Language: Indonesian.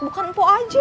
bukan mpok aja